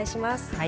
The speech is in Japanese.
はい。